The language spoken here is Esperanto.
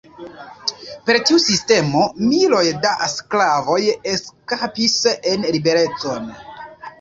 Per tiu sistemo miloj da sklavoj eskapis en liberecon.